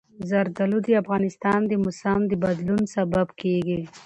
زردالو د افغانستان د موسم د بدلون سبب کېږي.